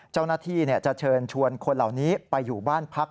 เจ้าหน้าที่จะเชิญชวนคนเหล่านี้ไปอยู่บ้านพัก